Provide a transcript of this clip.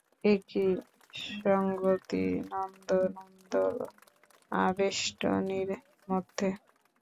একি অসঙ্গতি নন্দ ও নন্দর আবেষ্টনীর মধ্যে?